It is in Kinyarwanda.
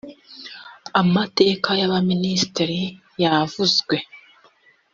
amateka ya ba minisitiri yavuzwe